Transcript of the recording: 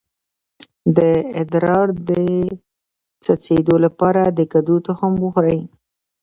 د ادرار د څڅیدو لپاره د کدو تخم وخورئ